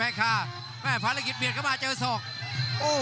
ขวางเอาไว้ครับโอ้ยเด้งเตียวคืนครับฝันด้วยศอกซ้าย